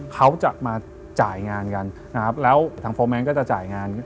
เขาจะมาจ่ายงานกันนะครับแล้วทางโฟแนนซก็จะจ่ายงาน